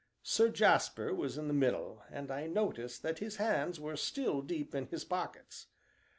Sir Jasper was in the middle, and I noticed that his hands were still deep in his pockets.